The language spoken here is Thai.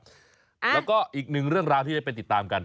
แล้วก็อีกหนึ่งเรื่องราวที่ได้ไปติดตามกัน